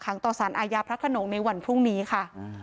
ต่อสารอาญาพระขนงในวันพรุ่งนี้ค่ะ